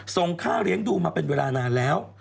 ส่งค่าเลี้ยงดูมาเป็นเวลานานแล้ว